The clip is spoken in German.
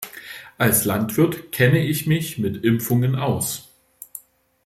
Als Landwirt kenne ich mich mit Impfungen aus.